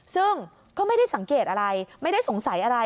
ซึ่งก็ไม่ได้สังเกตอะไรไม่ได้สงสัยอะไร